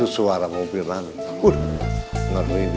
saya kan pengen kahwin lagi gan